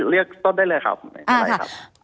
เรียกต้นได้เลยครับ